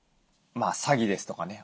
詐欺ですとかね